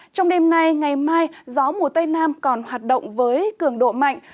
trong đêm nay ngày mai gió mùa tây nam còn hoạt động với cường độ mạnh